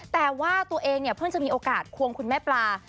แต่ว่าตัวเองเนี่ยเพิ่งจะมีโอกาสควงคุณแม่ปลา